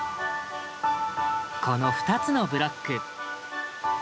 この２つのブロック。